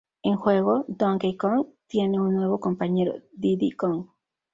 En el juego, Donkey Kong tiene un nuevo compañero, Diddy Kong.